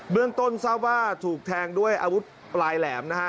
เรื่องต้นทราบว่าถูกแทงด้วยอาวุธปลายแหลมนะฮะ